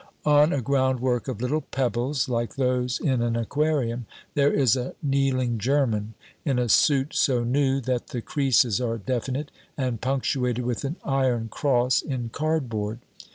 On a groundwork of little pebbles like those in an aquarium, there is a kneeling German, in a suit so new that the creases are definite, and punctuated with an Iron Cross in cardboard.